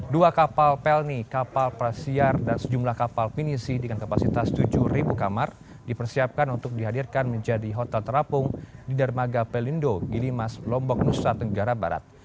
dua kapal pelni kapal prasiar dan sejumlah kapal pinisi dengan kapasitas tujuh kamar dipersiapkan untuk dihadirkan menjadi hotel terapung di dermaga pelindo gilimas lombok nusa tenggara barat